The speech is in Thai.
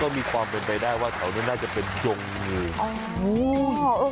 ก็มีความเป็นไปได้ว่าแถวนี้น่าจะเป็นยงงู